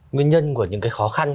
nguyên nhân của những cái khó khăn